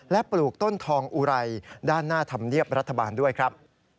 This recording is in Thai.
และปลูกต้นทองอุไรด้านหน้าธรรมเนียบรัฐบาลด้วยครับ